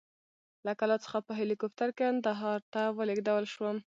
له کلات څخه په هلیکوپټر کندهار ته ولېږدول شوم.